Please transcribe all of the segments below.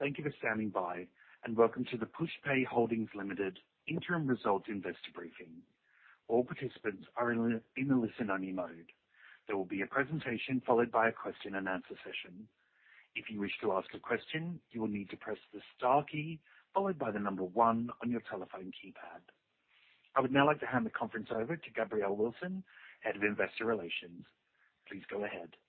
Thank you for standing by, and welcome to the Pushpay Holdings Limited Interim Results Investor Briefing. All participants are in a listen-only mode. There will be a presentation followed by a question-and-answer session. If you wish to ask a question, you will need to press the star key followed by the number one on your telephone keypad. I would now like to hand the conference over to Gabrielle Wilson, Head of Investor Relations. Please go ahead. Thank you,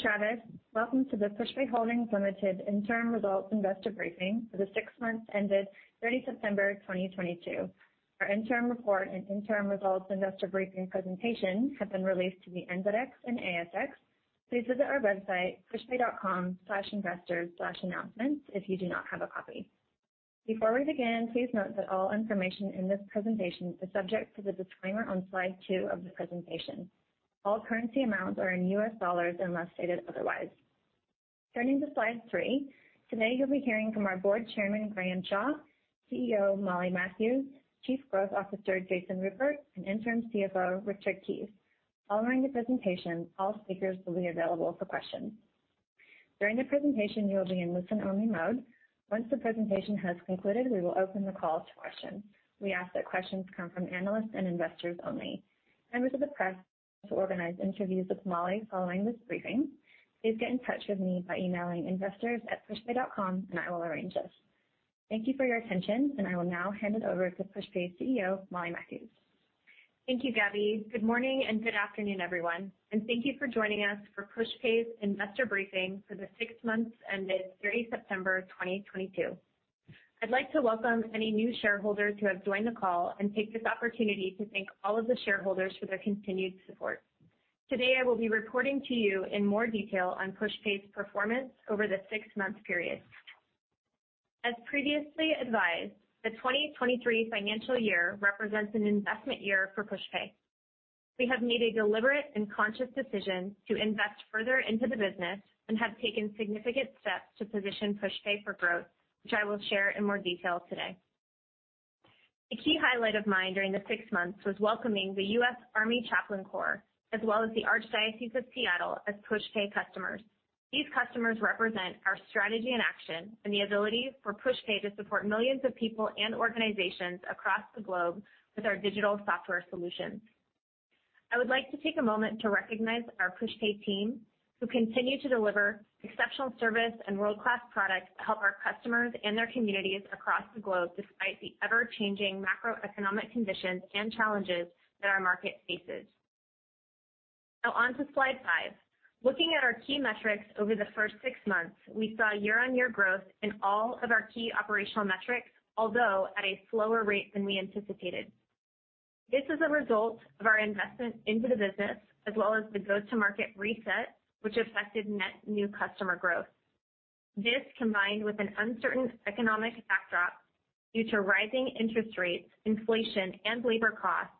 Travis. Welcome to the Pushpay Holdings Limited Interim Results Investor Briefing for the six months ended 30 September 2022. Our interim report and interim results investor briefing presentation have been released to the NZX and ASX. Please visit our website, pushpay.com/investors/announcements if you do not have a copy. Before we begin, please note that all information in this presentation is subject to the disclaimer on slide two of the presentation. All currency amounts are in US dollars unless stated otherwise. Turning to slide three. Today you'll be hearing from our Board Chairman, Graham Shaw, CEO, Molly Matthews, Chief Growth Officer, Jason Rupert, and Interim CFO, Richard Keys. Following the presentation, all speakers will be available for questions. During the presentation you will be in listen-only mode. Once the presentation has concluded, we will open the call to questions. We ask that questions come from analysts and investors only. Members of the press, to organize interviews with Molly following this briefing, please get in touch with me by emailing investors@pushpay.com, and I will arrange this. Thank you for your attention, and I will now hand it over to Pushpay's CEO, Molly Matthews. Thank you, Gabby. Good morning and good afternoon, everyone, and thank you for joining us for Pushpay's investor briefing for the six months ended 30 September 2022. I'd like to welcome any new shareholders who have joined the call and take this opportunity to thank all of the shareholders for their continued support. Today I will be reporting to you in more detail on Pushpay's performance over the six-month period. As previously advised, the 2023 financial year represents an investment year for Pushpay. We have made a deliberate and conscious decision to invest further into the business and have taken significant steps to position Pushpay for growth, which I will share in more detail today. A key highlight of mine during the six months was welcoming the U.S. Army Chaplain Corps, as well as the Archdiocese of Seattle as Pushpay customers. These customers represent our strategy in action and the ability for Pushpay to support millions of people and organizations across the globe with our digital software solutions. I would like to take a moment to recognize our Pushpay team, who continue to deliver exceptional service and world-class products that help our customers and their communities across the globe despite the ever-changing macroeconomic conditions and challenges that our market faces. Now on to slide five. Looking at our key metrics over the first six months, we saw year-on-year growth in all of our key operational metrics, although at a slower rate than we anticipated. This is a result of our investment into the business as well as the go-to-market reset, which affected net new customer growth. This, combined with an uncertain economic backdrop due to rising interest rates, inflation, and labor costs,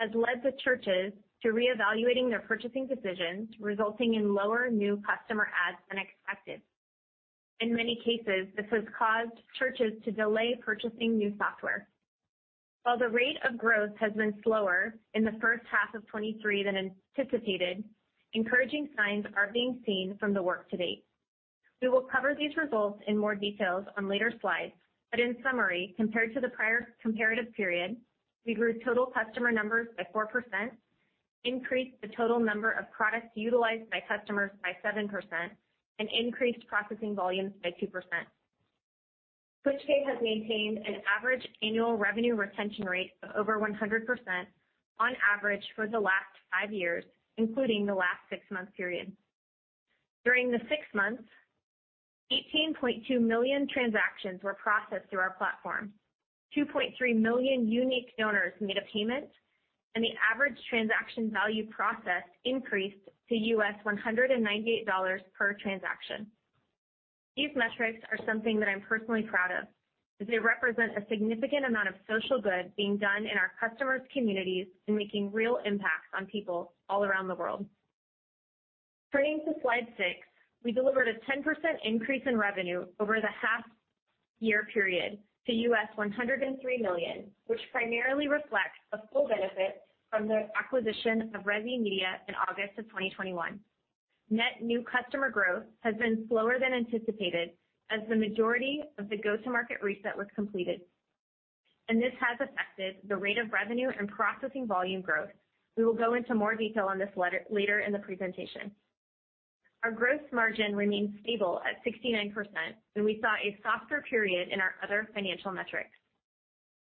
has led churches to reevaluate their purchasing decisions, resulting in lower new customer adds than expected. In many cases, this has caused churches to delay purchasing new software. While the rate of growth has been slower in the first half of 2023 than anticipated, encouraging signs are being seen from the work to date. We will cover these results in more details on later slides, but in summary, compared to the prior comparative period, we grew total customer numbers by 4%, increased the total number of products utilized by customers by 7%, and increased processing volumes by 2%. Pushpay has maintained an average annual revenue retention rate of over 100% on average for the last five years, including the last six-month period. During the six months, 18.2 million transactions were processed through our platform, 2.3 million unique donors made a payment, and the average transaction value processed increased to $198 per transaction. These metrics are something that I'm personally proud of, as they represent a significant amount of social good being done in our customers' communities and making real impacts on people all around the world. Turning to slide six. We delivered a 10% increase in revenue over the half-year period to $103 million, which primarily reflects the full benefit from the acquisition of Resi Media in August of 2021. Net new customer growth has been slower than anticipated as the majority of the go-to-market reset was completed, and this has affected the rate of revenue and processing volume growth. We will go into more detail on this letter, later in the presentation. Our gross margin remained stable at 69%, and we saw a softer period in our other financial metrics.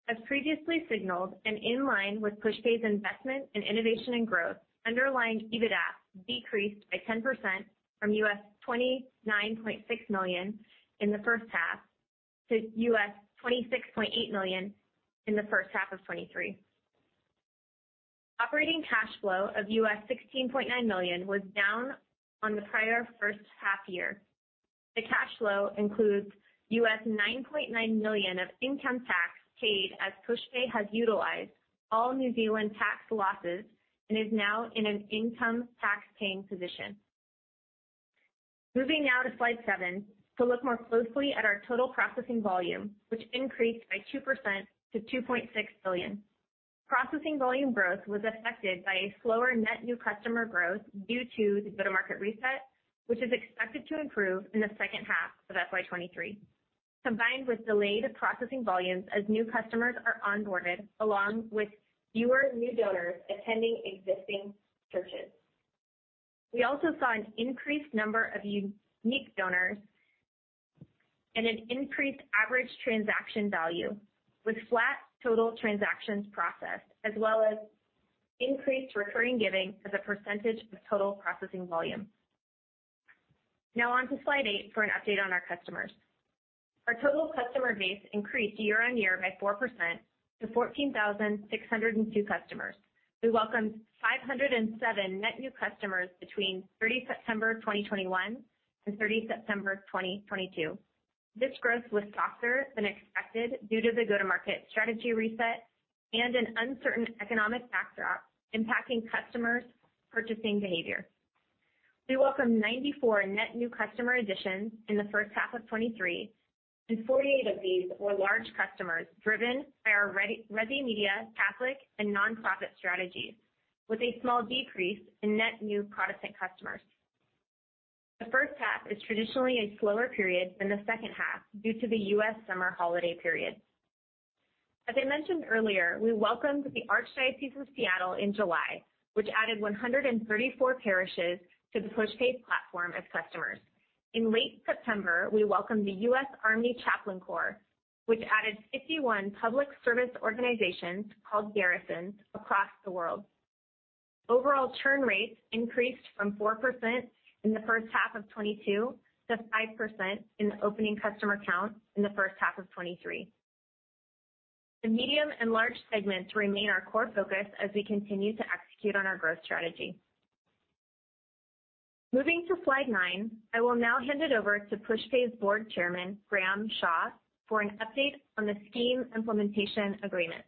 As previously signaled and in line with Pushpay's investment in innovation and growth, underlying EBITDAF decreased by 10% from $29.6 million in the first half to $26.8 million in the first half of 2023. Operating cash flow of $16.9 million was down on the prior first half year. The cash flow includes $9.9 million of income tax paid, as Pushpay has utilized all New Zealand tax losses and is now in an income tax paying position. Moving now to slide seven to look more closely at our total processing volume, which increased by 2% to $2.6 billion. Processing volume growth was affected by a slower net new customer growth due to the go-to-market reset, which is expected to improve in the second half of FY 2023. Combined with delayed processing volumes as new customers are onboarded, along with fewer new donors attending existing churches. We also saw an increased number of unique donors and an increased average transaction value with flat total transactions processed, as well as increased recurring giving as a percentage of total processing volume. Now on to slide eight for an update on our customers. Our total customer base increased year-on-year by 4% to 14,602 customers. We welcomed 507 net new customers between 30 September 2021 and 30 September 2022. This growth was softer than expected due to the go-to-market strategy reset and an uncertain economic backdrop impacting customers' purchasing behavior. We welcomed 94 net new customer additions in the first half of 2023, and 48 of these were large customers driven by our Resi Media, Catholic, and nonprofit strategies. With a small decrease in net new Protestant customers. The first half is traditionally a slower period than the second half due to the U.S. summer holiday period. As I mentioned earlier, we welcomed the Archdiocese of Seattle in July, which added 134 parishes to the Pushpay platform as customers. In late September, we welcomed the U.S. Army Chaplain Corps, which added 51 public service organizations called garrisons across the world. Overall churn rates increased from 4% in the first half of 2022 to 5% in the opening customer count in the first half of 2023. The medium and large segments remain our core focus as we continue to execute on our growth strategy. Moving to slide nine. I will now hand it over to Pushpay's Board Chairman, Graham Shaw, for an update on the Scheme Implementation Agreement.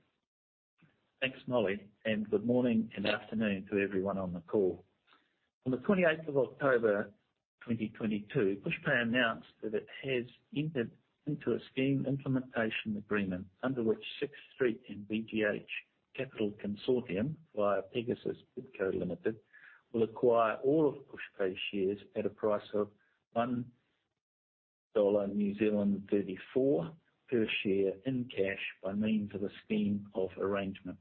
Thanks, Molly, and good morning and afternoon to everyone on the call. On the 28th of October 2022, Pushpay announced that it has entered into a Scheme Implementation Agreement under which Sixth Street and BGH Capital Consortium, via Pegasus Bidco Limited, will acquire all of Pushpay shares at a price of $1.34 per share in cash by means of a scheme of arrangement.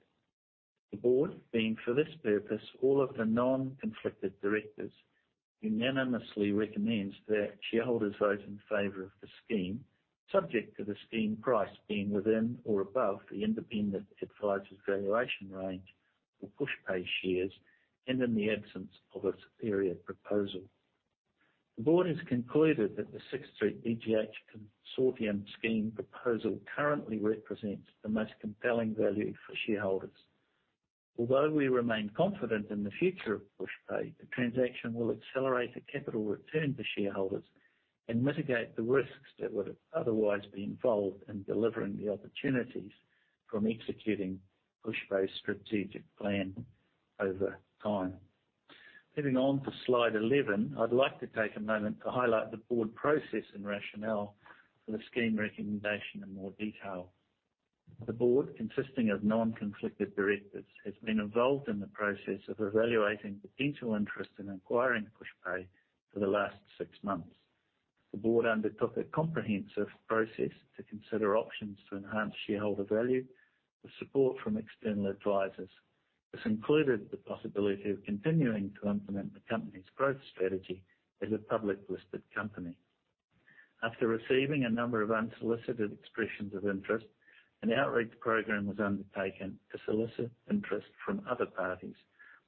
The Board being for this purpose, all of the Non-Conflicted Directors unanimously recommends that shareholders vote in favor of the scheme subject to the scheme price being within or above the independent advisor's valuation range for Pushpay shares and in the absence of a superior proposal. The Board has concluded that the Sixth Street, BGH Consortium scheme proposal currently represents the most compelling value for shareholders. Although we remain confident in the future of Pushpay, the transaction will accelerate the capital return to shareholders and mitigate the risks that would otherwise be involved in delivering the opportunities from executing Pushpay's strategic plan over time. Moving on to slide 11. I'd like to take a moment to highlight the Board process and rationale for the scheme recommendation in more detail. The Board, consisting of Non-Conflicted Directors, has been involved in the process of evaluating the detailed interest in acquiring Pushpay for the last six months. The Board undertook a comprehensive process to consider options to enhance shareholder value with support from external advisors. This included the possibility of continuing to implement the company's growth strategy as a public-listed company. After receiving a number of unsolicited expressions of interest, an outreach program was undertaken to solicit interest from other parties,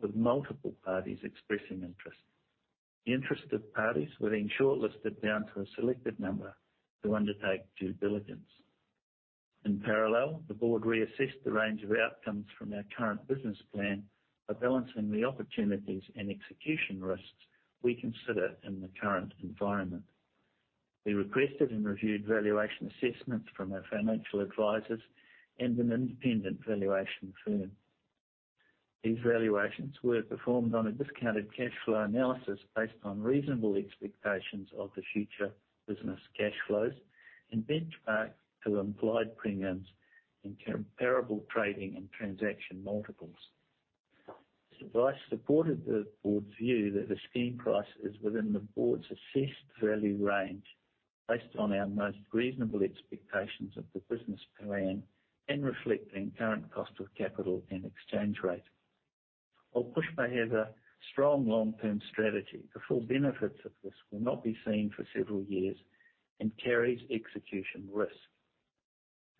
with multiple parties expressing interest. The interested parties were then shortlisted down to a selected number to undertake due diligence. In parallel, the Board reassessed the range of outcomes from our current business plan by balancing the opportunities and execution risks we consider in the current environment. We requested and reviewed valuation assessments from our financial advisors and an independent valuation firm. These valuations were performed on a discounted cash flow analysis based on reasonable expectations of the future business cash flows and benchmark to implied premiums in comparable trading and transaction multiples. This advice supported the Board's view that the scheme price is within the Board's assessed value range based on our most reasonable expectations of the business plan and reflecting current cost of capital and exchange rate. While Pushpay has a strong long-term strategy, the full benefits of this will not be seen for several years and carries execution risk.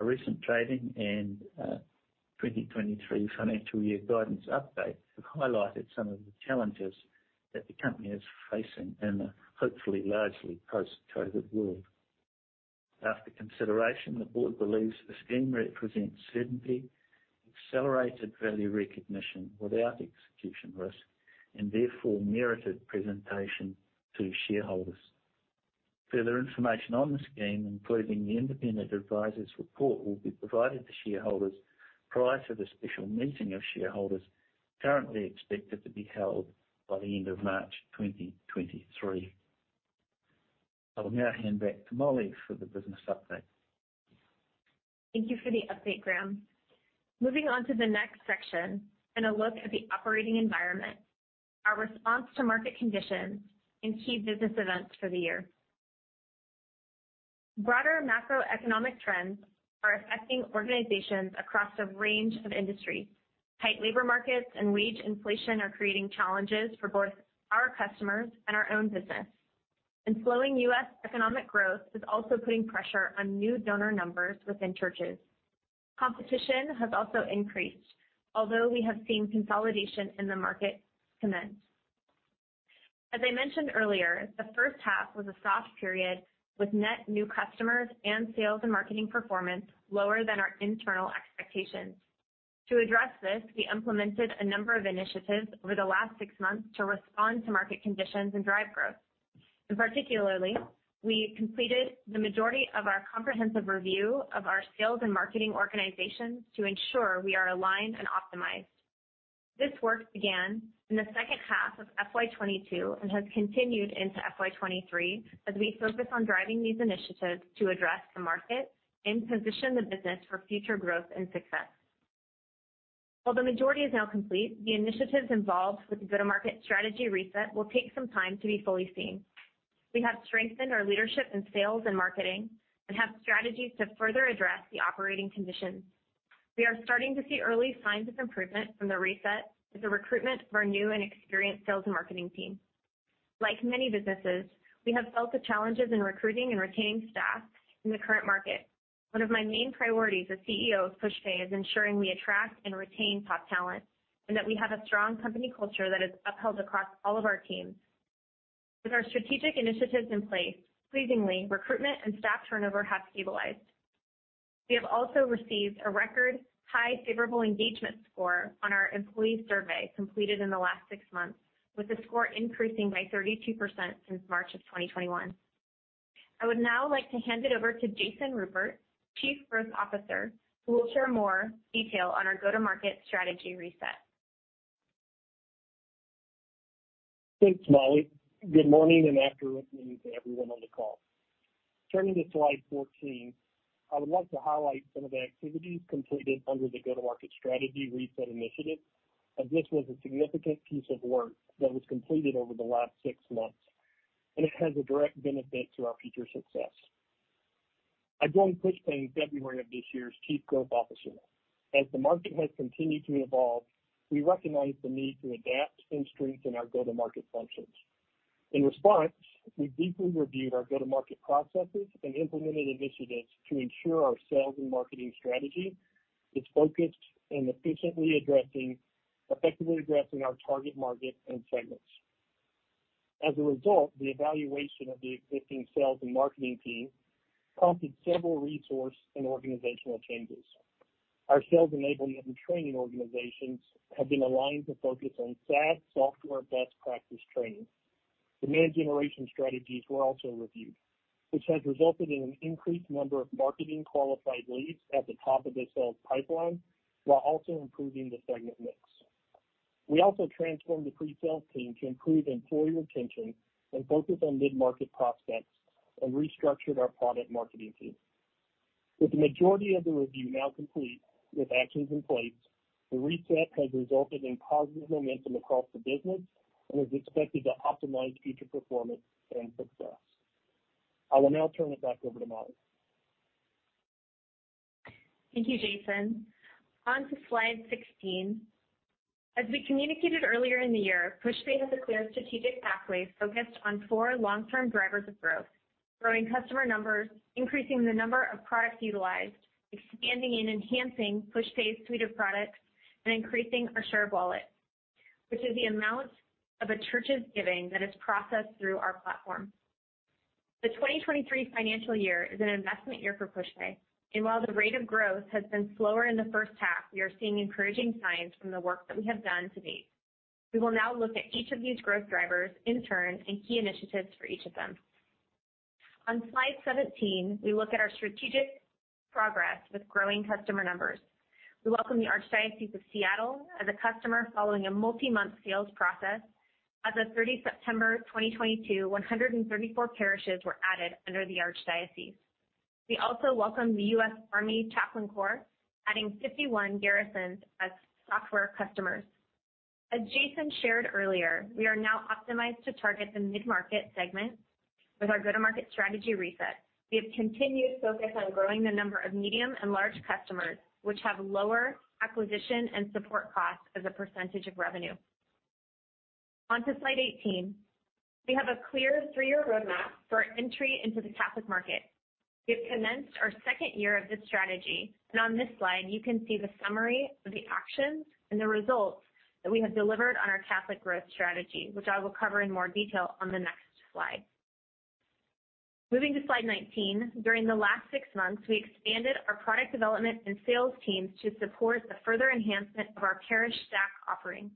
Our recent trading and 2023 financial year guidance update have highlighted some of the challenges that the company is facing in a hopefully largely post-COVID world. After consideration, the Board believes the scheme represents certainty, accelerated value recognition without execution risk, and therefore merited presentation to shareholders. Further information on the scheme, including the independent advisor's report, will be provided to shareholders prior to the special meeting of shareholders, currently expected to be held by the end of March 2023. I'll now hand back to Molly for the business update. Thank you for the update, Graham. Moving on to the next section and a look at the operating environment, our response to market conditions and key business events for the year. Broader macroeconomic trends are affecting organizations across a range of industries. Tight labor markets and wage inflation are creating challenges for both our customers and our own business. Slowing U.S. economic growth is also putting pressure on new donor numbers within churches. Competition has also increased, although we have seen consolidation in the market commence. As I mentioned earlier, the first half was a soft period with net new customers and sales and marketing performance lower than our internal expectations. To address this, we implemented a number of initiatives over the last six months to respond to market conditions and drive growth. In particular, we completed the majority of our comprehensive review of our sales and marketing organizations to ensure we are aligned and optimized. This work began in the second half of FY 2022 and has continued into FY 2023 as we focus on driving these initiatives to address the market and position the business for future growth and success. While the majority is now complete, the initiatives involved with the go-to-market strategy reset will take some time to be fully seen. We have strengthened our leadership in sales and marketing and have strategies to further address the operating conditions. We are starting to see early signs of improvement from the reset with the recruitment of our new and experienced sales and marketing team. Like many businesses, we have felt the challenges in recruiting and retaining staff in the current market. One of my main priorities as CEO of Pushpay is ensuring we attract and retain top talent, and that we have a strong company culture that is upheld across all of our teams. With our strategic initiatives in place, pleasingly, recruitment and staff turnover have stabilized. We have also received a record high favorable engagement score on our employee survey completed in the last six months, with the score increasing by 32% since March 2021. I would now like to hand it over to Jason Rupert, Chief Growth Officer, who will share more detail on our go-to-market strategy reset. Thanks, Molly. Good morning and afternoon to everyone on the call. Turning to slide 14, I would like to highlight some of the activities completed under the go-to-market strategy reset initiative, as this was a significant piece of work that was completed over the last six months, and it has a direct benefit to our future success. I joined Pushpay in February of this year as Chief Growth Officer. As the market has continued to evolve, we recognize the need to adapt and strengthen our go-to-market functions. In response, we deeply reviewed our go-to-market processes and implemented initiatives to ensure our sales and marketing strategy is focused on effectively addressing our target market and segments. As a result, the evaluation of the existing sales and marketing team prompted several resource and organizational changes. Our sales enablement and training organizations have been aligned to focus on SaaS software best practice training. Demand generation strategies were also reviewed, which has resulted in an increased number of marketing qualified leads at the top of the sales pipeline while also improving the segment mix. We also transformed the pre-sales team to improve employee retention and focus on mid-market prospects and restructured our product marketing team. With the majority of the review now complete with actions in place, the reset has resulted in positive momentum across the business and is expected to optimize future performance and success. I will now turn it back over to Molly. Thank you, Jason. On to slide 16. As we communicated earlier in the year, Pushpay has a clear strategic pathway focused on four long-term drivers of growth, growing customer numbers, increasing the number of products utilized, expanding and enhancing Pushpay's suite of products, and increasing our share of wallet, which is the amount of a church's giving that is processed through our platform. The 2023 financial year is an investment year for Pushpay, and while the rate of growth has been slower in the first half, we are seeing encouraging signs from the work that we have done to date. We will now look at each of these growth drivers in turn and key initiatives for each of them. On slide 17, we look at our strategic progress with growing customer numbers. We welcome the Archdiocese of Seattle as a customer following a multi-month sales process. As of 30 September 2022, 134 parishes were added under the Archdiocese. We also welcomed the U.S. Army Chaplain Corps, adding 51 garrisons as software customers. As Jason shared earlier, we are now optimized to target the mid-market segment with our go-to-market strategy reset. We have continued focus on growing the number of medium and large customers, which have lower acquisition and support costs as a percentage of revenue. On to slide 18. We have a clear three year roadmap for entry into the Catholic market. We have commenced our second year of this strategy, and on this slide you can see the summary of the actions and the results that we have delivered on our Catholic growth strategy, which I will cover in more detail on the next slide. Moving to slide 19. During the last six months, we expanded our product development and sales teams to support the further enhancement of our ParishStaq offering.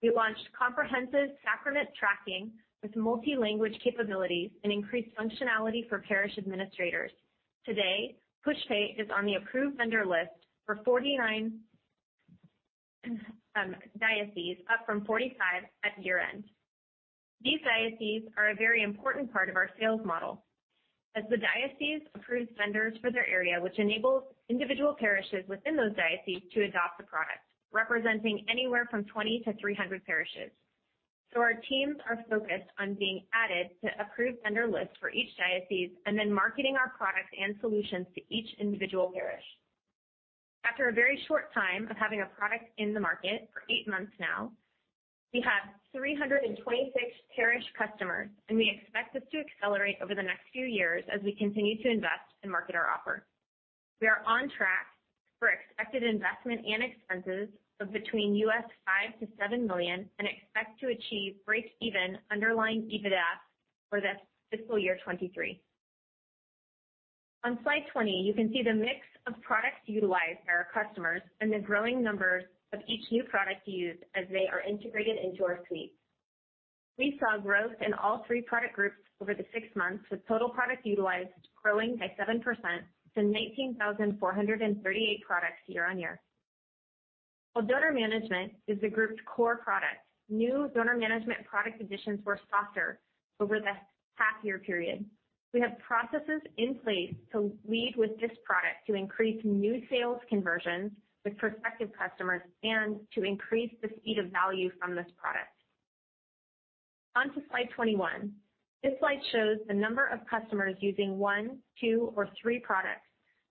We launched comprehensive sacrament tracking with multi-language capabilities and increased functionality for parish administrators. Today, Pushpay is on the approved vendor list for 49 dioceses, up from 45 at year-end. These dioceses are a very important part of our sales model. As the diocese approves vendors for their area, which enables individual parishes within those dioceses to adopt the product, representing anywhere from 20 to 300 parishes. Our teams are focused on being added to approved vendor lists for each diocese and then marketing our products and solutions to each individual parish. After a very short time of having a product in the market, for eight months now, we have 326 parish customers, and we expect this to accelerate over the next few years as we continue to invest and market our offer. We are on track for expected investment and expenses of between $5 million-$7 million and expect to achieve break-even underlying EBITDAF for this fiscal year 2023. On slide 20, you can see the mix of products utilized by our customers and the growing numbers of each new product used as they are integrated into our suite. We saw growth in all three product groups over the six months, with total product utilized growing by 7% to 19,438 products year-on-year. While donor management is the group's core product, new donor management product additions were softer over the half year period. We have processes in place to lead with this product to increase new sales conversions with prospective customers and to increase the speed of value from this product. Onto slide 21. This slide shows the number of customers using one, two, or three products.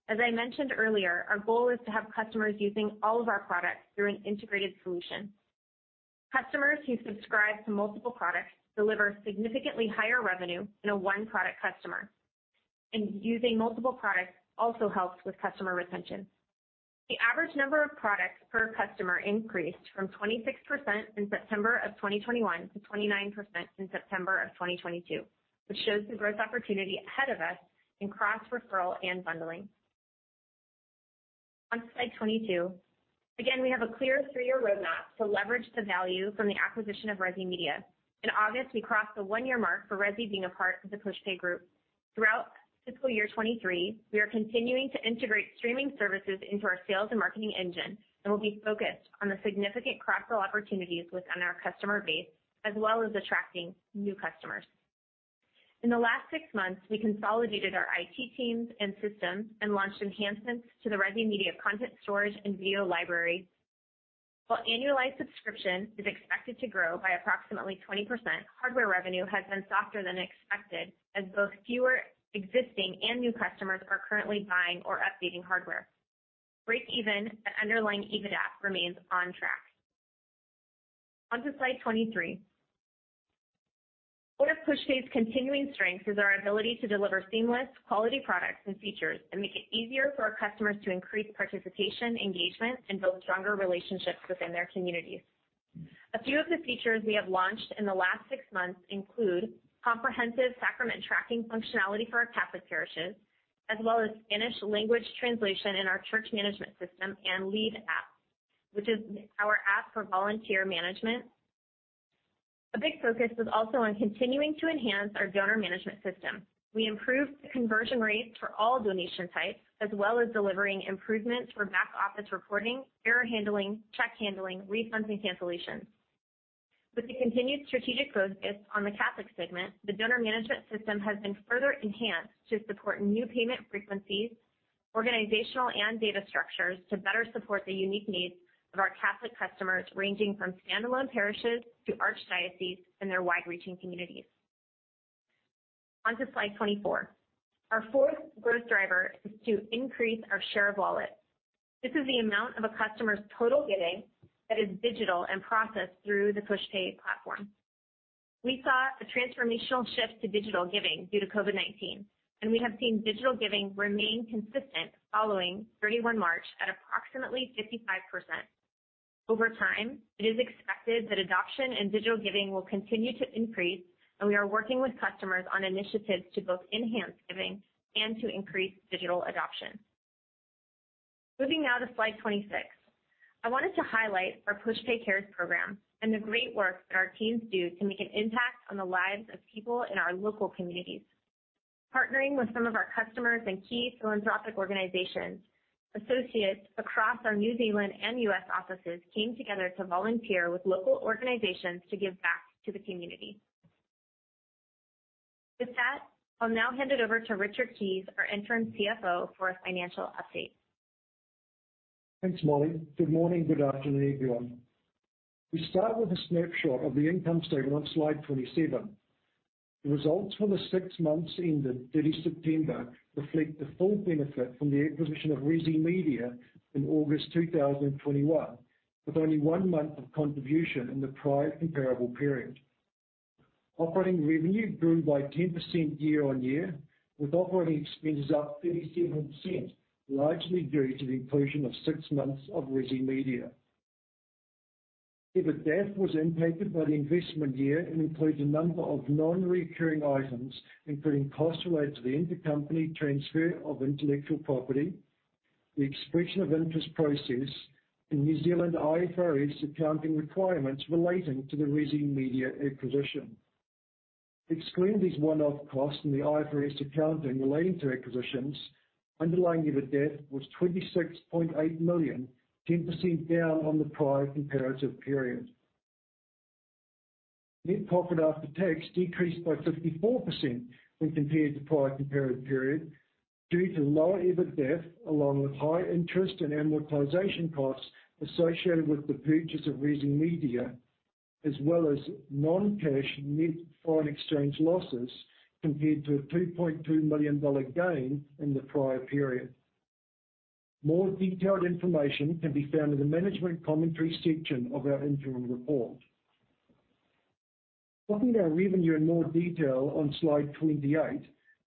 As I mentioned earlier, our goal is to have customers using all of our products through an integrated solution. Customers who subscribe to multiple products deliver significantly higher revenue than a one-product customer. Using multiple products also helps with customer retention. The average number of products per customer increased from 26% in September of 2021 to 29% in September of 2022, which shows the growth opportunity ahead of us in cross-referral and bundling. Onto slide 22. Again, we have a clear three year roadmap to leverage the value from the acquisition of Resi Media. In August, we crossed the one year mark for Resi being a part of the Pushpay group. Throughout fiscal year 2023, we are continuing to integrate streaming services into our sales and marketing engine, and we'll be focused on the significant cross-sell opportunities within our customer base, as well as attracting new customers. In the last six months, we consolidated our IT teams and systems and launched enhancements to the Resi Media content storage and video library. While annualized subscription is expected to grow by approximately 20%, hardware revenue has been softer than expected, as both fewer existing and new customers are currently buying or updating hardware. Break-even and underlying EBITDAF remains on track. Onto slide 23. One of Pushpay's continuing strengths is our ability to deliver seamless quality products and features that make it easier for our customers to increase participation, engagement, and build stronger relationships within their communities. A few of the features we have launched in the last six months include comprehensive sacrament tracking functionality for our Catholic parishes, as well as Spanish language translation in our church management system and LEAD App, which is our app for volunteer management. A big focus was also on continuing to enhance our donor management system. We improved conversion rates for all donation types, as well as delivering improvements for back-office reporting, error handling, check handling, refunds, and cancellations. With the continued strategic focus on the Catholic segment, the donor management system has been further enhanced to support new payment frequencies, organizational and data structures to better support the unique needs of our Catholic customers, ranging from standalone parishes to archdioceses and their wide-reaching communities. Onto slide 24. Our fourth growth driver is to increase our share of wallet. This is the amount of a customer's total giving that is digital and processed through the Pushpay platform. We saw a transformational shift to digital giving due to COVID-19, and we have seen digital giving remain consistent following 31 March at approximately 55%. Over time, it is expected that adoption and digital giving will continue to increase, and we are working with customers on initiatives to both enhance giving and to increase digital adoption. Moving now to slide 26. I wanted to highlight our Pushpay Cares program and the great work that our teams do to make an impact on the lives of people in our local communities. Partnering with some of our customers and key philanthropic organizations, associates across our New Zealand and U.S. offices came together to volunteer with local organizations to give back to the community. With that, I'll now hand it over to Richard Keys, our Interim CFO, for a financial update. Thanks, Molly. Good morning, good afternoon, everyone. We start with a snapshot of the income statement on slide 27. The results for the six months ended 30 September reflect the full benefit from the acquisition of Resi Media in August 2021, with only one month of contribution in the prior comparable period. Operating revenue grew by 10% year-over-year, with operating expenses up 37%, largely due to the inclusion of six months of Resi Media. EBITDAF was impacted by the investment year and includes a number of non-recurring items, including costs related to the intercompany transfer of intellectual property, the expression of interest process in New Zealand IFRS accounting requirements relating to the Resi Media acquisition. Excluding these one-off costs and the IFRS accounting relating to acquisitions, underlying EBITDAF was $26.8 million, 10% down on the prior comparative period. Net profit after tax decreased by 54% when compared to prior comparative period due to lower EBITDAF, along with high interest and amortization costs associated with the purchase of Resi Media, as well as non-cash net foreign exchange losses compared to a $2.2 million gain in the prior period. More detailed information can be found in the management commentary section of our interim report. Looking at our revenue in more detail on slide 28,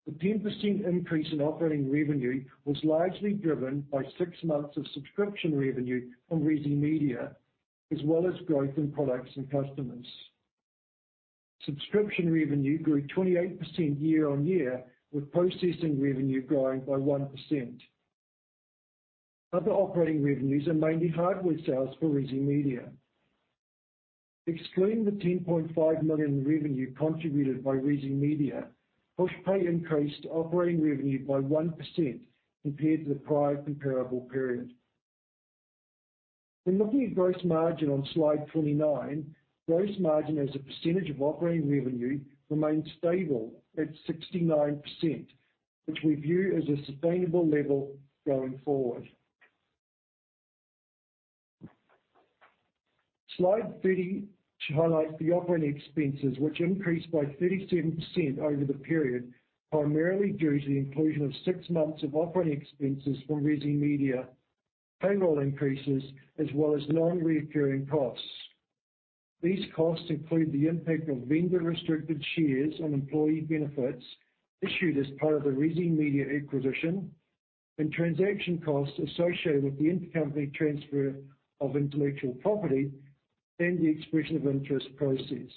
the 10% increase in operating revenue was largely driven by six months of subscription revenue from Resi Media, as well as growth in products and customers. Subscription revenue grew 28% year-on-year, with processing revenue growing by 1%. Other operating revenues are mainly hardware sales for Resi Media. Excluding the $10.5 million revenue contributed by Resi Media, Pushpay increased operating revenue by 1% compared to the prior comparable period. When looking at gross margin on slide 29, gross margin as a percentage of operating revenue remains stable at 69%, which we view as a sustainable level going forward. Slide 30 highlights the operating expenses, which increased by 37% over the period, primarily due to the inclusion of six months of operating expenses from Resi Media, payroll increases, as well as non-recurring costs. These costs include the impact of vendor restricted shares on employee benefits issued as part of the Resi Media acquisition and transaction costs associated with the intercompany transfer of intellectual property and the expression of interest process.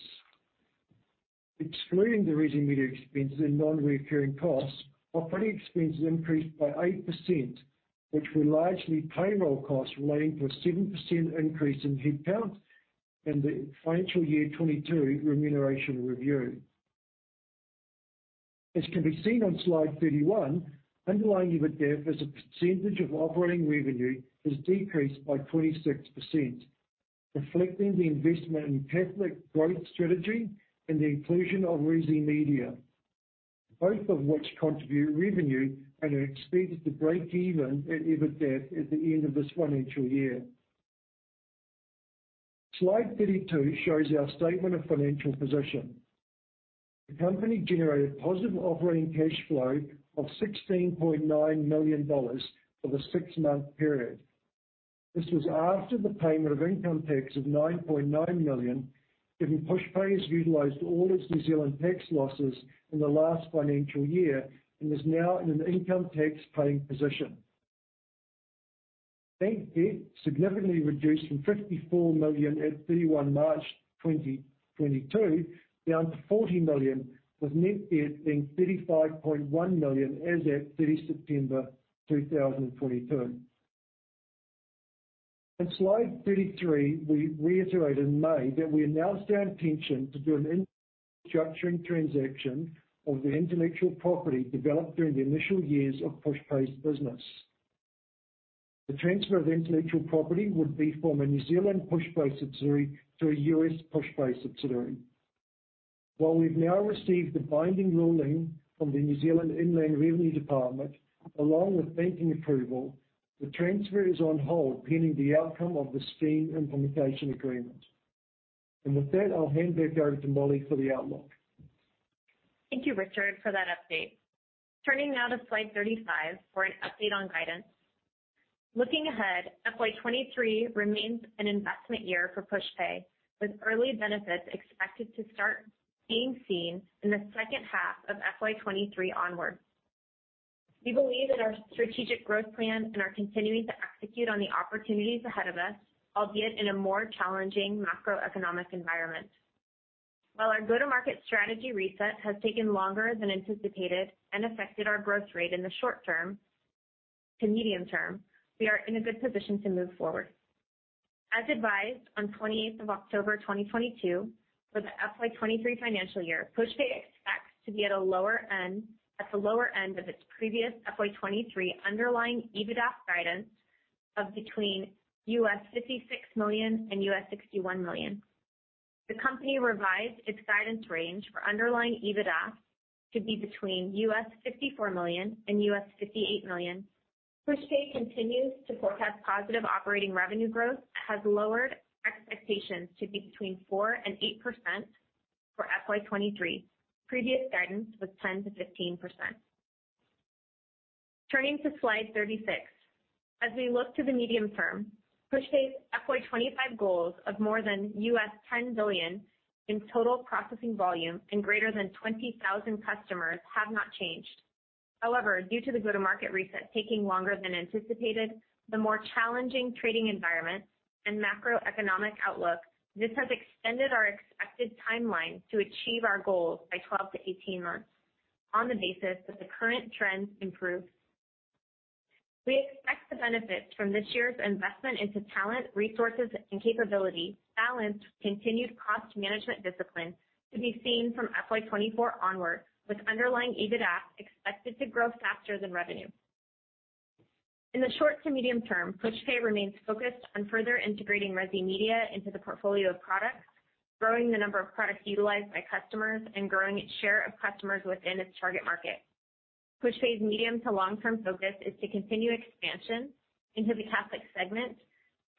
Excluding the Resi Media expenses and non-recurring costs, operating expenses increased by 8%, which were largely payroll costs relating to a 7% increase in headcount and the financial year 2022 remuneration review. As can be seen on slide 31, underlying EBITDAF as a percentage of operating revenue has decreased by 26%, reflecting the investment in Catholic growth strategy and the inclusion of Resi Media, both of which contribute revenue and are expected to break even at EBITDAF at the end of this financial year. Slide 32 shows our statement of financial position. The company generated positive operating cash flow of $16.9 million for the six-month period. This was after the payment of income tax of $9.9 million, given Pushpay has utilized all its New Zealand tax losses in the last financial year and is now in an income tax paying position. Bank debt significantly reduced from $54 million at 31 March 2022 down to $40 million, with net debt being $35.1 million as at 30 September 2022. On slide 33, we reiterated in May that we announced our intention to do a restructuring transaction of the intellectual property developed during the initial years of Pushpay's business. The transfer of intellectual property would be from a New Zealand Pushpay subsidiary to a U.S. Pushpay subsidiary. While we've now received the binding ruling from the New Zealand Inland Revenue Department, along with banking approval, the transfer is on hold pending the outcome of the Scheme Implementation Agreement. With that, I'll hand back over to Molly for the outlook. Thank you, Richard, for that update. Turning now to slide 35 for an update on guidance. Looking ahead, FY 2023 remains an investment year for Pushpay, with early benefits expected to start being seen in the second half of FY 2023 onwards. We believe in our strategic growth plan and are continuing to execute on the opportunities ahead of us, albeit in a more challenging macroeconomic environment. While our go-to-market strategy reset has taken longer than anticipated and affected our growth rate in the short term to medium term, we are in a good position to move forward. As advised on 28th of October 2022, for the FY 2023 financial year, Pushpay expects to be at the lower end of its previous FY 2023 underlying EBITDAF guidance of between $56 million and $61 million. The company revised its guidance range for underlying EBITDAF to be between $54 million and $58 million. Pushpay continues to forecast positive operating revenue growth, has lowered expectations to be between 4% and 8% for FY 2023. Previous guidance was 10%-15%. Turning to slide 36. As we look to the medium term, Pushpay's FY 2025 goals of more than $10 billion in total processing volume and greater than 20,000 customers have not changed. However, due to the go-to-market reset taking longer than anticipated, the more challenging trading environment and macroeconomic outlook, this has extended our expected timeline to achieve our goals by 12-18 months on the basis that the current trends improve. We expect the benefits from this year's investment into talent, resources, and capability balanced with continued cost management discipline to be seen from FY 2024 onward, with underlying EBITDAF expected to grow faster than revenue. In the short to medium term, Pushpay remains focused on further integrating Resi Media into the portfolio of products, growing the number of products utilized by customers, and growing its share of customers within its target market. Pushpay's medium to long-term focus is to continue expansion into the Catholic segment,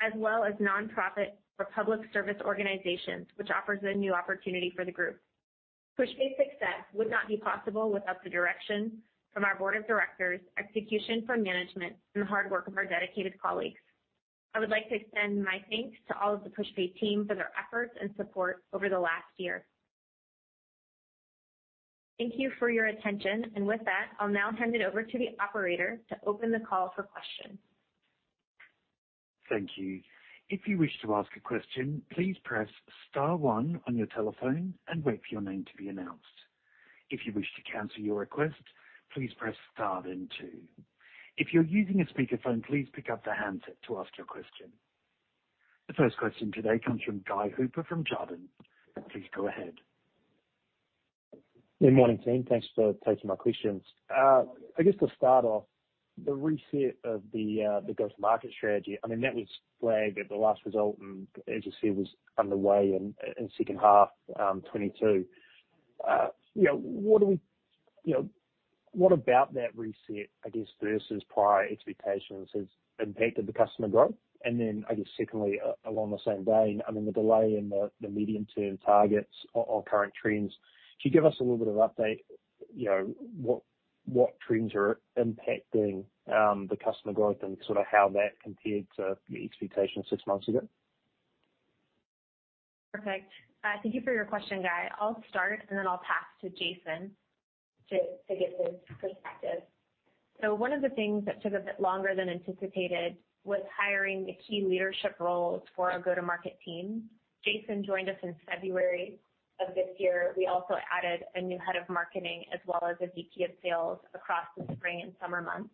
as well as nonprofit or public service organizations, which offers a new opportunity for the group. Pushpay's success would not be possible without the direction from our Board of Directors, execution from management, and the hard work of our dedicated colleagues. I would like to extend my thanks to all of the Pushpay team for their efforts and support over the last year. Thank you for your attention. With that, I'll now hand it over to the operator to open the call for questions. Thank you. If you wish to ask a question, please press star one on your telephone and wait for your name to be announced. If you wish to cancel your request, please press star then two. If you're using a speakerphone, please pick up the handset to ask your question. The first question today comes from Guy Hooper from Jarden. Please go ahead. Good morning, team. Thanks for taking my questions. I guess to start off, the reset of the go-to-market strategy, I mean, that was flagged at the last result, and as you said, was underway in second half 2022. You know, what about that reset, I guess, versus prior expectations has impacted the customer growth? I guess secondly, along the same vein, I mean, the delay in the medium-term targets or current trends. Can you give us a little bit of update, you know, what trends are impacting the customer growth and sort of how that compared to your expectations six months ago? Perfect. Thank you for your question, Guy. I'll start, and then I'll pass to Jason to get his perspective. One of the things that took a bit longer than anticipated was hiring the key leadership roles for our go-to-market team. Jason joined us in February of this year. We also added a new Head of Marketing as well as a VP of Sales across the spring and summer months.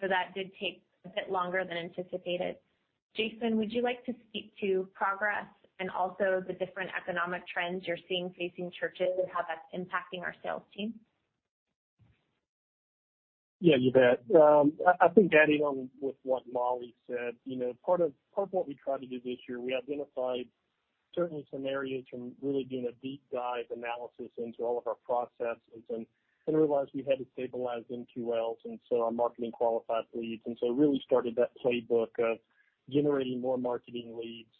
That did take a bit longer than anticipated. Jason, would you like to speak to progress and also the different economic trends you're seeing facing churches and how that's impacting our sales team? Yeah, you bet. I think adding on with what Molly said, you know, part of what we tried to do this year, we identified certain scenarios from really doing a deep dive analysis into all of our processes and realized we had to stabilize MQLs, and so our marketing qualified leads. We really started that playbook of generating more marketing leads.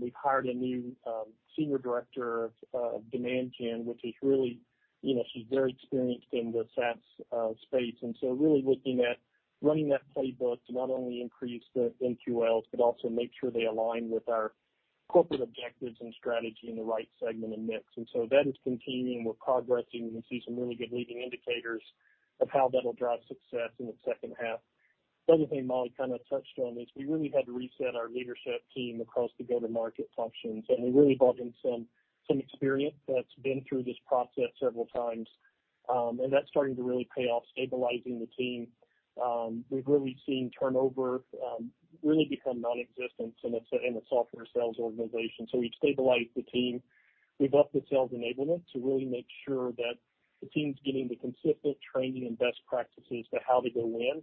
We've hired a new Senior Director of Demand Gen, which is really, you know, she's very experienced in the SaaS space. We're really looking at running that playbook to not only increase the MQLs, but also make sure they align with our corporate objectives and strategy in the right segment and mix. That is continuing. We're progressing. We see some really good leading indicators of how that'll drive success in the second half. The other thing Molly kinda touched on is we really had to reset our leadership team across the go-to-market functions, and we really brought in some experience that's been through this process several times. And that's starting to really pay off, stabilizing the team. We've really seen turnover really become nonexistent in a software sales organization. We've stabilized the team. We've upped the sales enablement to really make sure that the team's getting the consistent training and best practices to how to go in.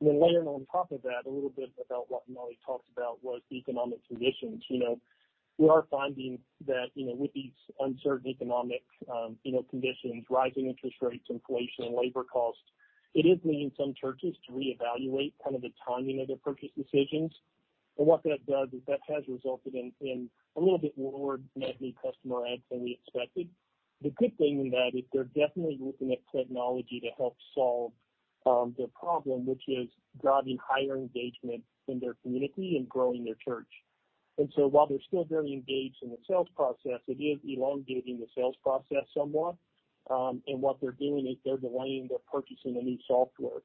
Then layering on top of that, a little bit about what Molly talked about was economic conditions. You know, we are finding that, you know, with these uncertain economic, you know, conditions, rising interest rates, inflation, and labor costs, it is leading some churches to reevaluate kind of the timing of their purchase decisions. What that does is that has resulted in a little bit lower net new customer adds than we expected. The good thing in that is they're definitely looking at technology to help solve their problem, which is driving higher engagement in their community and growing their church. While they're still very engaged in the sales process, it is elongating the sales process somewhat. What they're doing is they're delaying their purchasing the new software.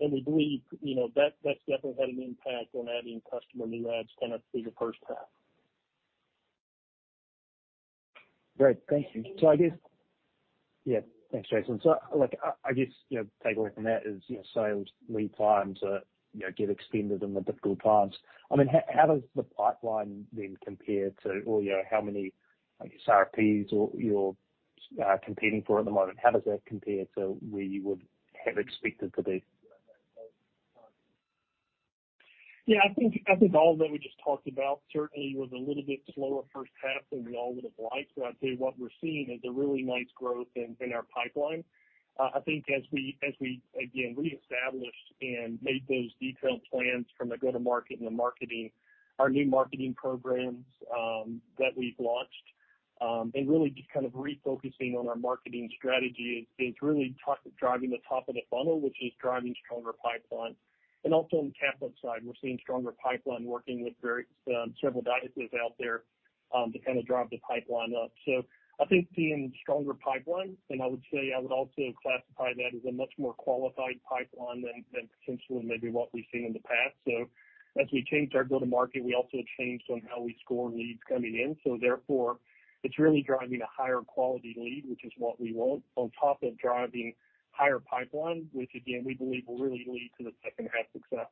We believe, you know, that's definitely had an impact on adding customer new adds kind of through the first half. Great. Thank you. I guess. Yeah. Thanks, Jason. Like, I guess, you know, takeaway from that is, you know, sales lead time to get extended in the difficult times. I mean, how does the pipeline then compare to or, you know, how many, I guess, RFPs or you're competing for at the moment? How does that compare to where you would have expected to be? Yeah, I think all that we just talked about certainly was a little bit slower first half than we all would have liked, but I'd say what we're seeing is a really nice growth in our pipeline. I think as we again reestablished and made those detailed plans from the go-to-market and the marketing, our new marketing programs that we've launched, and really just kind of refocusing on our marketing strategy is really driving the top of the funnel, which is driving stronger pipeline. Also on the Catholic side, we're seeing stronger pipeline working with various several dioceses out there to kinda drive the pipeline up. I think seeing stronger pipeline, and I would say I would also classify that as a much more qualified pipeline than potentially maybe what we've seen in the past. As we changed our go-to-market, we also changed on how we score leads coming in. Therefore, it's really driving a higher quality lead, which is what we want, on top of driving higher pipeline, which again, we believe will really lead to the second half success.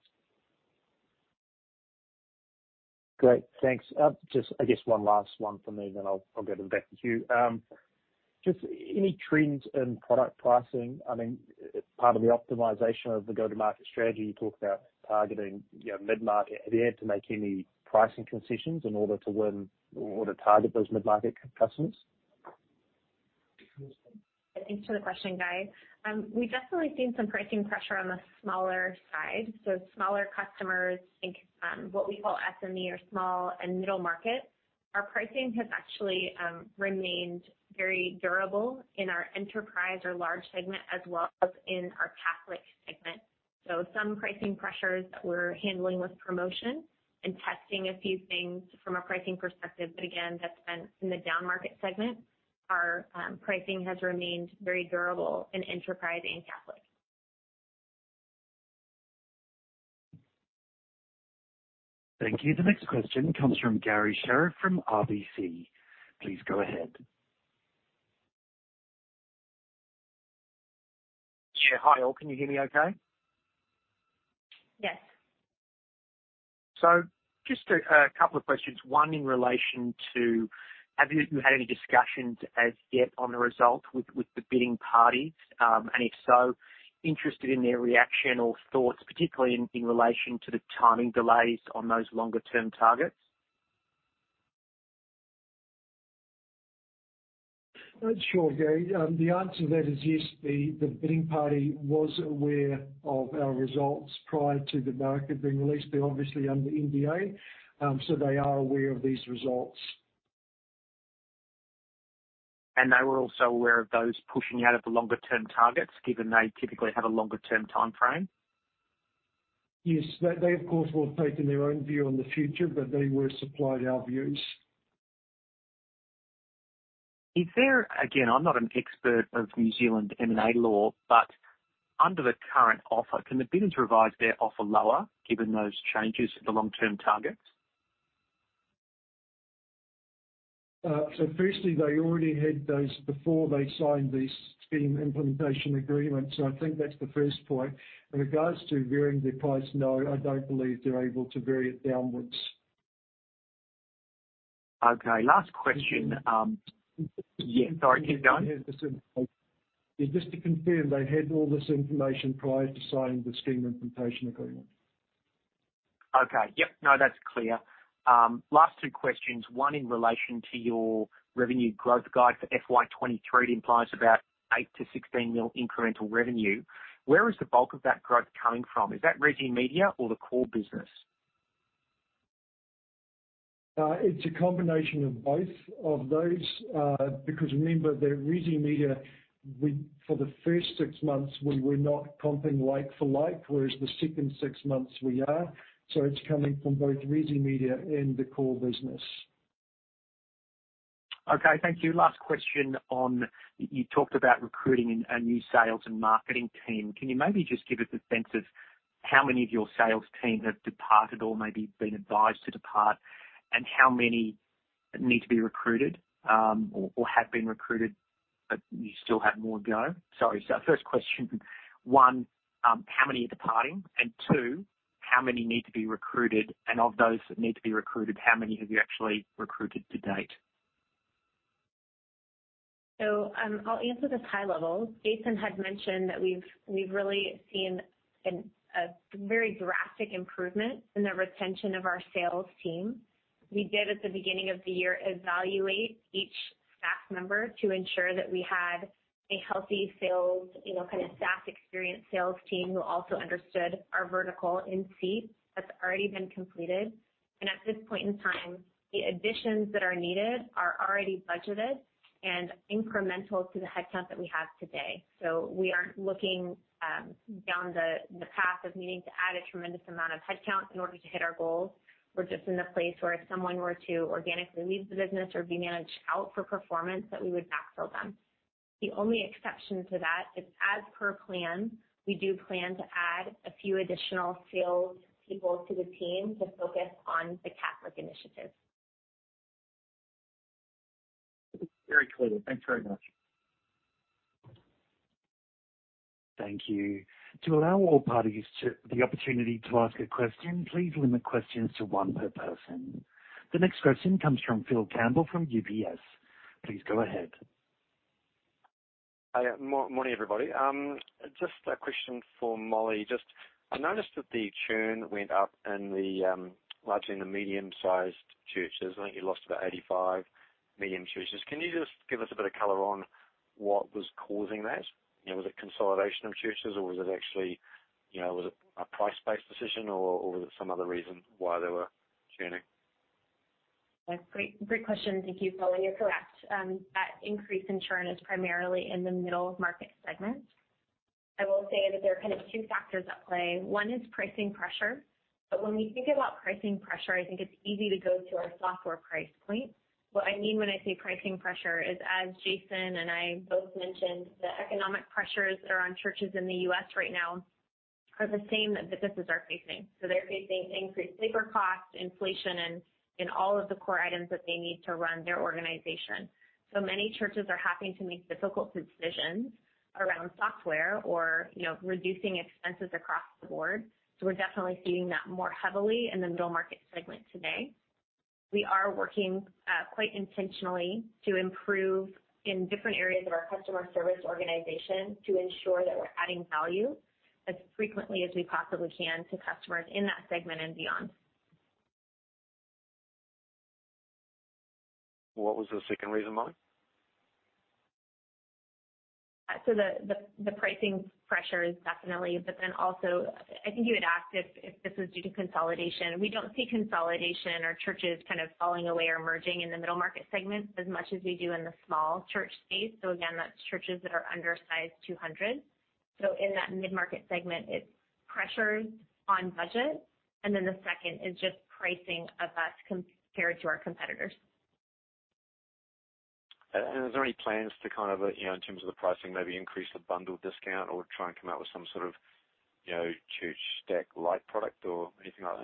Great. Thanks. Just, I guess one last one for me then I'll go back to queue. Just any trends in product pricing? I mean, part of the optimization of the go-to-market strategy, you talked about targeting, you know, mid-market. Have you had to make any pricing concessions in order to win or to target those mid-market customers? Thanks for the question, Guy. We've definitely seen some pricing pressure on the smaller side. Smaller customers, I think, what we call SME or small and middle market. Our pricing has actually remained very durable in our enterprise or large segment, as well as in our Catholic segment. Some pricing pressures that we're handling with promotion and testing a few things from a pricing perspective. Again, that's been in the downmarket segment. Our pricing has remained very durable in enterprise and Catholic. Thank you. The next question comes from Garry Sherriff from RBC. Please go ahead. Yeah. Hi, all. Can you hear me okay? Yes. Just a couple of questions. One, in relation to have you had any discussions as yet on the result with the bidding party? If so, interested in their reaction or thoughts, particularly in relation to the timing delays on those longer term targets. Sure, Gary. The answer to that is yes, the bidding party was aware of our results prior to the market being released. They're obviously under NDA, so they are aware of these results. They were also aware of those pushing out of the longer term targets, given they typically have a longer term timeframe? Yes. They, of course, will have taken their own view on the future, but they were supplied our views. Again, I'm not an expert of New Zealand M&A law, but under the current offer, can the bidders revise their offer lower given those changes to the long-term targets? Firstly, they already had those before they signed the Scheme Implementation Agreement. I think that's the first point. In regards to varying the price, no, I don't believe they're able to vary it downwards. Okay, last question. Yeah, sorry. Keep going. Just to confirm, they had all this information prior to signing the Scheme Implementation Agreement. Okay. Yep. No, that's clear. Last two questions. One, in relation to your revenue growth guide for FY 2023, it implies about $8 million-$16 million incremental revenue. Where is the bulk of that growth coming from? Is that Resi Media or the core business? It's a combination of both of those, because remember that Resi Media, for the first six months, we were not comparing like for like, whereas the second six months we are. It's coming from both Resi Media and the core business. Okay. Thank you. Last question on you talked about recruiting a new sales and marketing team. Can you maybe just give us a sense of how many of your sales team have departed or maybe been advised to depart, and how many need to be recruited, or have been recruited, but you still have more to go? Sorry. First question, one, how many are departing? Two, how many need to be recruited? Of those that need to be recruited, how many have you actually recruited to date? I'll answer this high level. Jason had mentioned that we've really seen a very drastic improvement in the retention of our sales team. We did at the beginning of the year evaluate each staff member to ensure that we had a healthy sales, you know, kind of staff experience sales team who also understood our vertical insight. That's already been completed. At this point in time, the additions that are needed are already budgeted and incremental to the headcount that we have today. We aren't looking down the path of needing to add a tremendous amount of headcount in order to hit our goals. We're just in a place where if someone were to organically leave the business or be managed out for performance, that we would backfill them. The only exception to that is as per plan, we do plan to add a few additional sales people to the team to focus on the Catholic initiative. Very clear. Thanks very much. Thank you. To allow all parties to the opportunity to ask a question, please limit questions to one per person. The next question comes from Phil Campbell from UBS. Please go ahead. Hi. Morning, everybody. Just a question for Molly. I noticed that the churn went up largely in the medium-sized churches. I think you lost about 85 medium churches. Can you just give us a bit of color on what was causing that? You know, was it consolidation of churches or was it actually, you know, was it a price-based decision or was it some other reason why they were churning? That's great. Great question. Thank you, Phil. You're correct, that increase in churn is primarily in the middle market segment. I will say that there are kind of two factors at play. One is pricing pressure. When we think about pricing pressure, I think it's easy to go to our software price point. What I mean when I say pricing pressure is, as Jason and I both mentioned, the economic pressures that are on churches in the U.S. right now are the same that businesses are facing. They're facing increased labor costs, inflation in all of the core items that they need to run their organization. Many churches are having to make difficult decisions around software or, you know, reducing expenses across the Board. We're definitely seeing that more heavily in the middle market segment today. We are working quite intentionally to improve in different areas of our customer service organization to ensure that we're adding value as frequently as we possibly can to customers in that segment and beyond. What was the second reason, Molly? The pricing pressure is definitely, but then also I think you had asked if this was due to consolidation. We don't see consolidation or churches kind of falling away or merging in the middle market segments as much as we do in the small church space. Again, that's churches that are under size 200. In that mid-market segment, it's pressures on budget. Then the second is just pricing of us compared to our competitors. Is there any plans to kind of, you know, in terms of the pricing, maybe increase the bundle discount or try and come out with some sort of, you know, ChurchStaq Lite product or anything like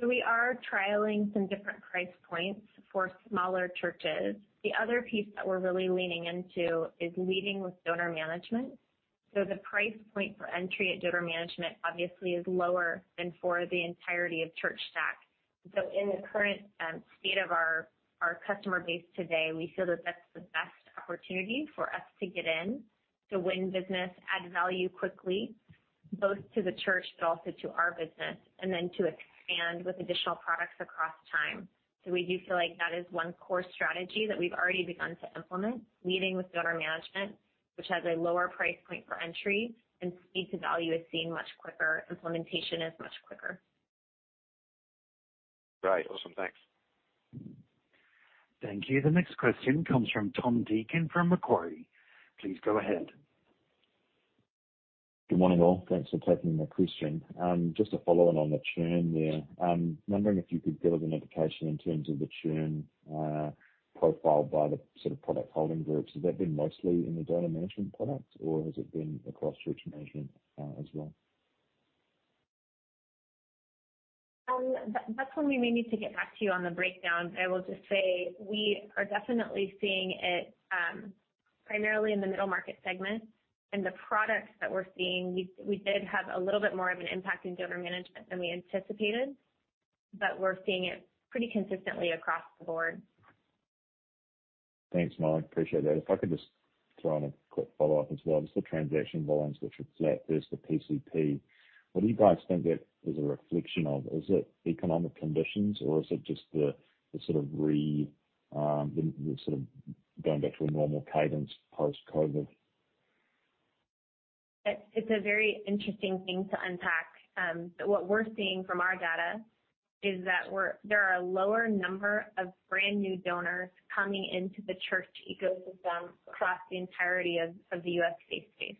that? We are trialing some different price points for smaller churches. The other piece that we're really leaning into is leading with donor management. The price point for entry at donor management obviously is lower than for the entirety of ChurchStaq. In the current state of our customer base today, we feel that that's the best opportunity for us to get in to win business, add value quickly, both to the church but also to our business, and then to expand with additional products across time. We do feel like that is one core strategy that we've already begun to implement, leading with donor management, which has a lower price point for entry and speed to value is seen much quicker, implementation is much quicker. Great. Awesome. Thanks. Thank you. The next question comes from Tom Deacon from Macquarie. Please go ahead. Good morning, all. Thanks for taking my question. Just to follow on the churn there. Wondering if you could give us an indication in terms of the churn, profiled by the sort of product holding groups. Has that been mostly in the donor management products or has it been across church management, as well? That's one we may need to get back to you on the breakdown. I will just say we are definitely seeing it primarily in the middle market segment. The products that we're seeing, we did have a little bit more of an impact in donor management than we anticipated, but we're seeing it pretty consistently across the board. Thanks, Molly. Appreciate that. If I could just throw in a quick follow-up as well. Just the transaction volumes, which were flat versus the PCP. What do you guys think that is a reflection of? Is it economic conditions or is it just the sort of going back to a normal cadence post-COVID? It's a very interesting thing to unpack. What we're seeing from our data is that there are a lower number of brand new donors coming into the church ecosystem across the entirety of the U.S. faith space.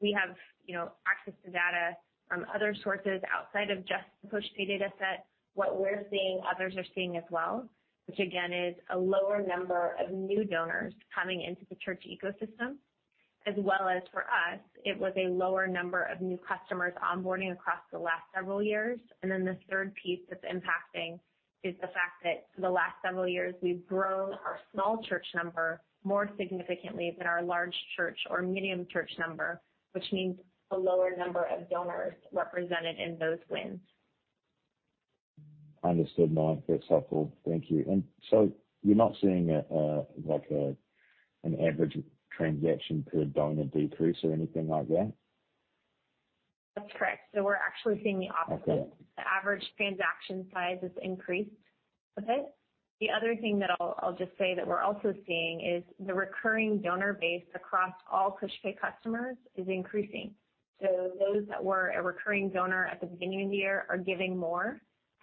We have, you know, access to data from other sources outside of just the Pushpay dataset. What we're seeing, others are seeing as well, which again is a lower number of new donors coming into the church ecosystem. As well as for us, it was a lower number of new customers onboarding across the last several years. The third piece that's impacting is the fact that for the last several years, we've grown our small church number more significantly than our large church or medium church number, which means a lower number of donors represented in those wins. Understood, Molly. That's helpful. Thank you. You're not seeing, like, an average transaction per donor decrease or anything like that? That's correct. We're actually seeing the opposite. Okay. The average transaction size has increased a bit. The other thing that I'll just say that we're also seeing is the recurring donor base across all Pushpay customers is increasing. Those that were a recurring donor at the beginning of the year are giving more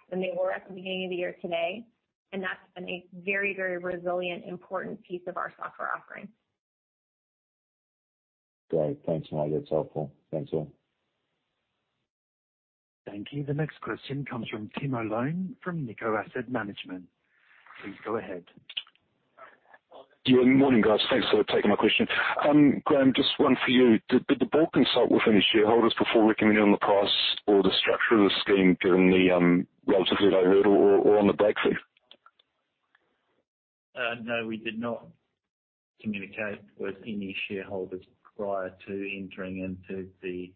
than they were at the beginning of the year today, and that's been a very, very resilient, important piece of our software offering. Great. Thanks, Molly. That's helpful. Thanks, all. Thank you. The next question comes from Tim O'Loan from Nikko Asset Management. Please go ahead. Yeah. Morning, guys. Thanks for taking my question. Graham, just one for you. Did the Board consult with any shareholders before recommending on the price or the structure of the scheme, given the relatively low hurdle or on the break fee? No, we did not communicate with any shareholders prior to entering into the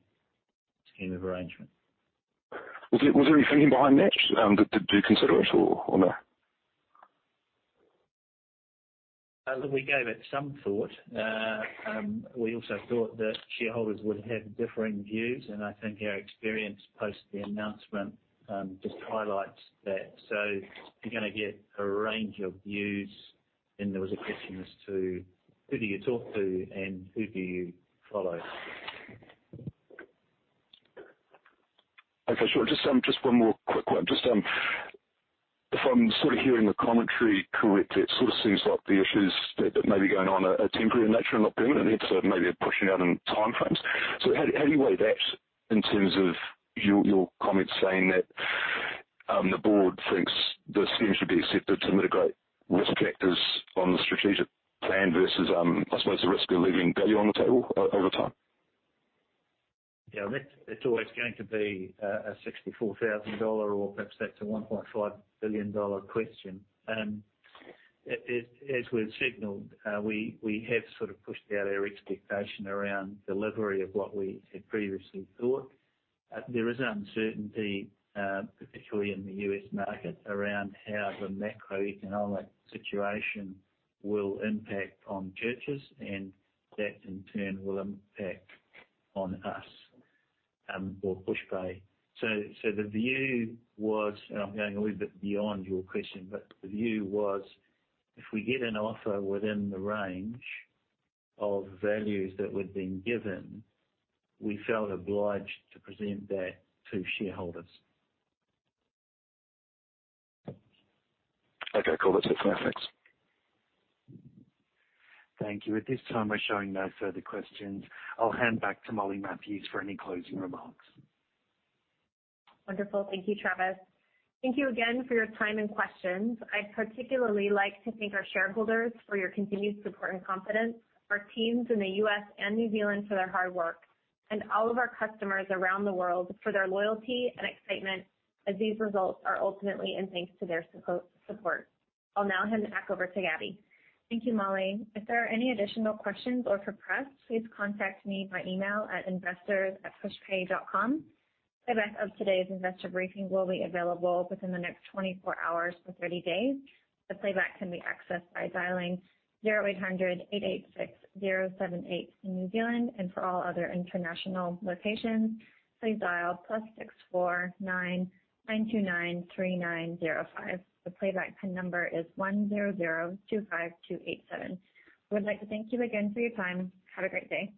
scheme of arrangement. Was there any thinking behind that? Did you consider it or no? Look, we gave it some thought. We also thought that shareholders would have differing views, and I think our experience post the announcement, just highlights that. You're gonna get a range of views and there was a question as to who do you talk to and who do you follow? Okay, sure. Just one more quick one. Just if I'm sort of hearing the commentary correctly, it sort of seems like the issues that may be going on are temporary in nature and not permanent. It's maybe a pushing out in time frames. How do you weigh that in terms of your comments saying that the Board thinks the scheme should be accepted to mitigate risk factors on the strategic plan versus I suppose the risk of leaving value on the table over time? Yeah. It's always going to be a $64,000 or perhaps that's a $1.5 billion question. As we've signaled, we have sort of pushed out our expectation around delivery of what we had previously thought. There is uncertainty, particularly in the U.S. market, around how the macroeconomic situation will impact on churches, and that in turn will impact on us, or Pushpay. The view was, and I'm going a little bit beyond your question, but the view was if we get an offer within the range of values that we'd been given, we felt obliged to present that to shareholders. Okay, cool. That's it from me. Thanks. Thank you. At this time, we're showing no further questions. I'll hand back to Molly Matthews for any closing remarks. Wonderful. Thank you, Travis. Thank you again for your time and questions. I'd particularly like to thank our shareholders for your continued support and confidence, our teams in the U.S. and New Zealand for their hard work, and all of our customers around the world for their loyalty and excitement, as these results are ultimately in thanks to their support. I'll now hand it back over to Gabby. Thank you, Molly. If there are any additional questions or for press, please contact me by email at investors@pushpay.com. Playback of today's investor briefing will be available within the next 24 hours to 30 days. The playback can be accessed by dialing 0800 886 078 in New Zealand, and for all other international locations, please dial +64 9 293 905. The playback pin number is 1025287. We'd like to thank you again for your time. Have a great day.